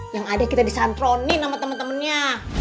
yang ada kita disantronin sama temen temennya